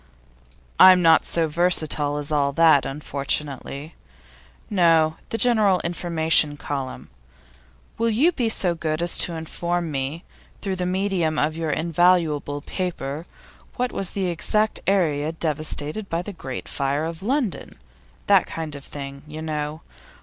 'I'm not so versatile as all that, unfortunately. No, the general information column. "Will you be so good as to inform me, through the medium of your invaluable paper, what was the exact area devastated by the Great Fire of London?" that kind of thing, you know.